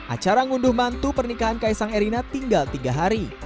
acara ngunduh mantu pernikahan kaisang erina tinggal tiga hari